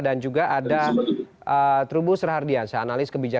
dan juga ada trubu serhardian seanalis kebijakan